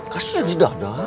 kasih aja di dah dong